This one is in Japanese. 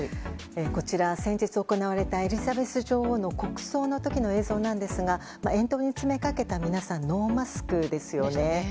こちら、先日行われたエリザベス女王の国葬の時の映像なんですが沿道に詰めかけた皆さんノーマスクですよね。